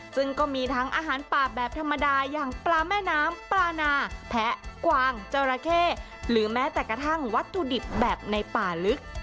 ซึ่งก็มีทั้งอาหารป่าแบบธรรมดาอย่างปลาแม่น้ำปลานาแพะกวางจราเข้หรือแม้แต่กระทั่งวัตถุดิบแบบในป่าลึก